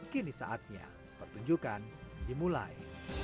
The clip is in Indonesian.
kini saatnya pertunjukan dimulai